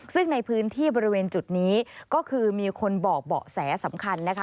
ซึ่งในพื้นที่บริเวณจุดนี้ก็คือมีคนบอกเบาะแสสำคัญนะคะ